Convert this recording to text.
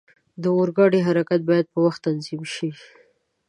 د اورګاډي حرکت باید په وخت تنظیم شي.